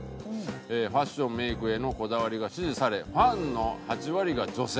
「ファッション・メイクへのこだわりが支持されファンの８割が女性」